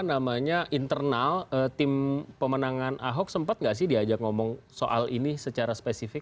namanya internal tim pemenangan ahok sempat nggak sih diajak ngomong soal ini secara spesifik